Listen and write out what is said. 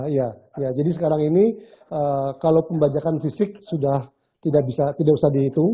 iya jadi sekarang ini kalau pembajakan fisik sudah tidak bisa tidak usah dihitung